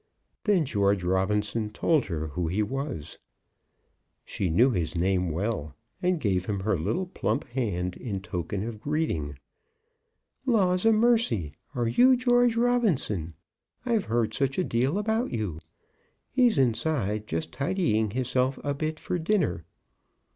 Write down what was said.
Then George Robinson told her who he was. She knew his name well, and gave him her little plump hand in token of greeting. "Laws a mercy! are you George Robinson? I've heard such a deal about you. He's inside, just tidying hisself a bit for dinner.